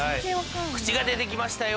口が出てきましたよ。